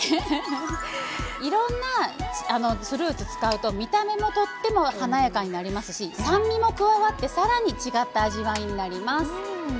いろんなフルーツを使うと見た目もとっても華やかになりますし酸味も加わってさらに違った味わいになります。